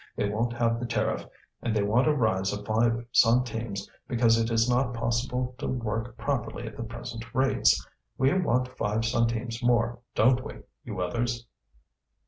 They won't have the tariff, and they want a rise of five centimes because it is not possible to work properly at the present rates. We want five centimes more, don't we, you others?"